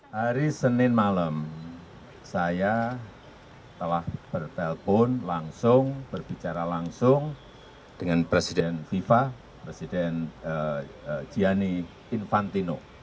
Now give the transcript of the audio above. hari senin malam saya telah bertelpon langsung berbicara langsung dengan presiden fifa presiden gianni infantino